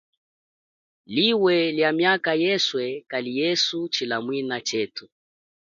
Liwe lia miaka yeswe kali yesu tshilamwina chetu.